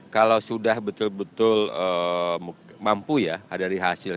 kalau sudah betul betul mampu ya dari hasil